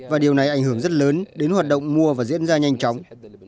và điều này ảnh hưởng rất lớn đến hoạt động mua và diễn ra nhanh chóng